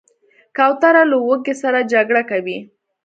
کوتره له لوږې سره جګړه کوي.